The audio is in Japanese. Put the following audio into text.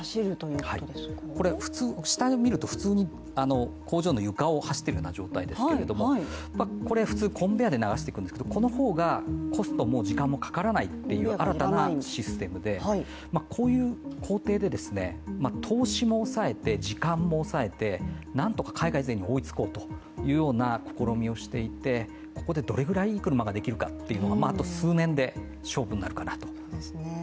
これ、下を見ると、工場の床を走っているような状態ですが、これ、普通コンベアで流していくんですけどこの方がコストも時間もかからないという新たなシステムでこういう工程で投資も抑えて時間も抑えて、なんとか海外勢に追いつこうというような試みをしていてここでどれぐらいいい車ができるかというのがあと数年で勝負になるかと。